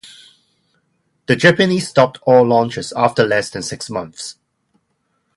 The Japanese stopped all launches after less than six months.